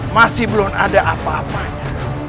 masih belum ada apa apanya